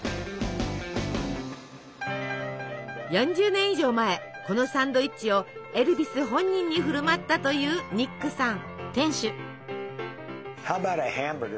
４０年以上前このサンドイッチをエルヴィス本人に振る舞ったというニックさん。